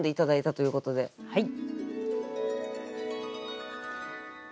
はい。